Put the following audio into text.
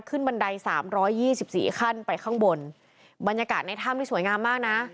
บันไดสามร้อยยี่สิบสี่ขั้นไปข้างบนบรรยากาศในถ้ำนี่สวยงามมากนะ